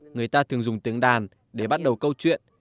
người ta thường dùng tiếng đàn để bắt đầu câu chuyện